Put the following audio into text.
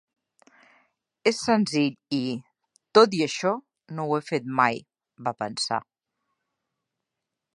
És senzill i, tot i això, no ho he fet mai, va pensar.